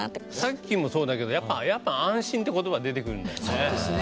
さっきもそうだけどやっぱ安心って言葉出てくるんだよね。